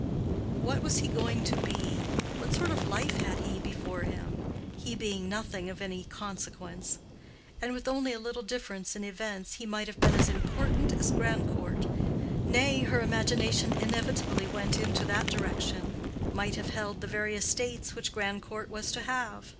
What was he going to be? What sort of life had he before him—he being nothing of any consequence? And with only a little difference in events he might have been as important as Grandcourt, nay—her imagination inevitably went into that direction—might have held the very estates which Grandcourt was to have.